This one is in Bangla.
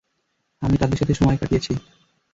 আমি তাদের সাথে সময় কাটিয়েছি।